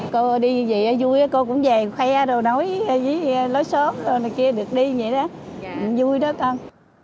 cô đi như vậy vui cô cũng về khoe rồi nói với lối xóm kia được đi như vậy đó vui đó con